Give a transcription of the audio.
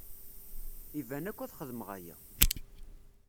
Iban akk ad xedmeɣ aya.